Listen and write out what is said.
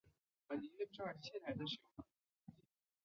现关押男性年青还押犯人和定罪犯人。